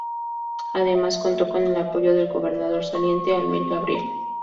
Además contó con el apoyo del gobernador saliente, Almir Gabriel.